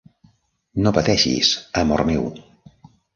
No pateixis, amor meu.